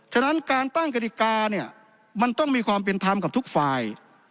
ฉะนั้นการตั้งกฎิกาเนี่ยมันต้องมีความเป็นธรรมกับทุกฝ่าย